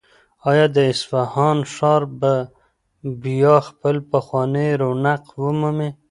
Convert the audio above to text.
آیا د اصفهان ښار به بیا خپل پخوانی رونق ومومي؟